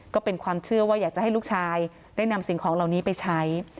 ก็เป็นความเชื่อว่าอยากจะให้ลูกชายได้นำสิ่งของเหล่านี้ไปใช้